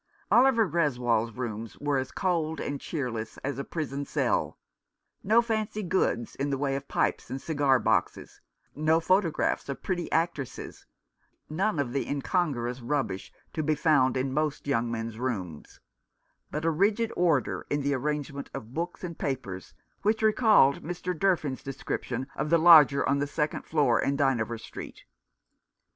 Oliver Greswold's rooms were as cold and cheerless as a prison cell — no fancy goods in the way of pipes and cigar boxes, no photographs of pretty actresses, none of the incongruous rubbish to be found in most young 270 Mr. K Faunce continues. men's rooms, but a rigid order in the arrangement of books and papers which recalled Mr. Durfin's description of the lodger on the second floor in Dynevor Street.